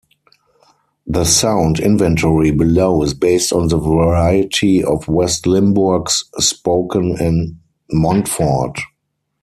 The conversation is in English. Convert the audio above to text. The sound inventory below is based on the variety of West-Limburgs spoken in Montfort.